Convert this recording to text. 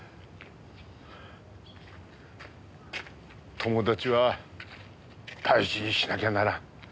友達は大事にしなきゃならん。